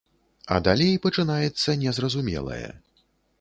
А далей пачынаецца незразумелае.